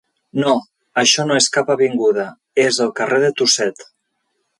No, això no és cap avinguda, és el carrer de Tusset.